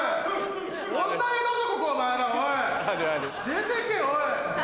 出てけおい。